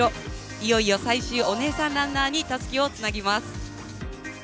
いよいよ最終お姉さんランナーにたすきをつなぎます。